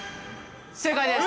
◆正解です。